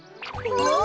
あっ！